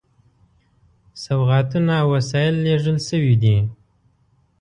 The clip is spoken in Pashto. سوغاتونه او وسایل لېږل شوي دي.